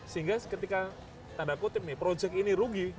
sehingga ketika tanda kutip nih project ini rugi